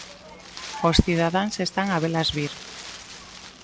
Os cidadáns están a velas vir.